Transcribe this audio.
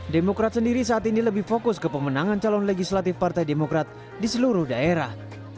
demokrat sendiri saat ini lebih fokus ke pemenangan calon legislatif partai demokrat di seluruh daerah